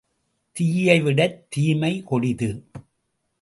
தீயைவிடத் தீமை கொடிது.